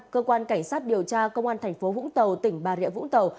cơ quan cảnh sát điều tra công an tp vũng tàu tỉnh bà rịa vũng tàu